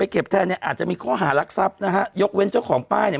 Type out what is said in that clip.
เก็บแทนเนี่ยอาจจะมีข้อหารักทรัพย์นะฮะยกเว้นเจ้าของป้ายเนี่ย